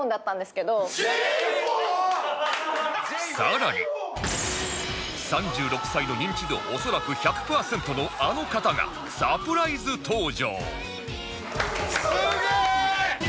更に３６歳の認知度恐らく１００パーセントのあの方がサプライズ登場